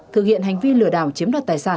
thực hiện hành vi lừa đảo chiếm